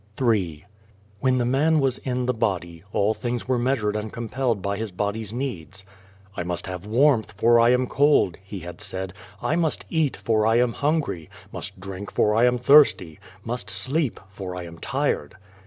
Ill WHEN the man was in the body, all things were measured and compelled by his body's needs. "I must have warmth, for I am cold," he had said ;" I must eat, for I am hungry ; must drink, for I am thirsty ; must sleep, for I am tired."